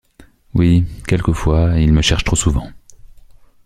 Oui... quelquefois... il me cherche trop souvent.